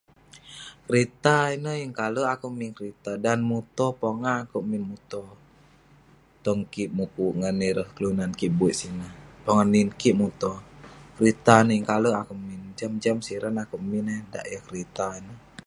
Kerita ineh yeng kalek akouk min kerita. Dan muto pongah akouk min muto, tong kik mukuk ngan ireh kelunan kik buik sineh. Pongah nin kik muto, kerita ineh yeng kalek akouk min. Jam jam siran akouk min eh dak, yah kerita ineh.